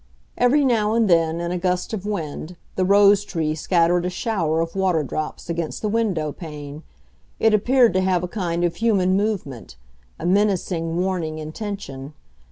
Every now and then, in a gust of wind, the rose tree scattered a shower of water drops against the window pane; it appeared to have a kind of human movement—a menacing, warning intention.